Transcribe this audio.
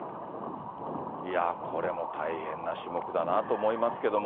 これも大変な種目だなと思いますけども。